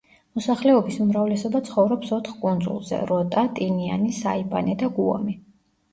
მოსახლეობის უმრავლესობა ცხოვრობს ოთხ კუნძულზე: როტა, ტინიანი, საიპანი და გუამი.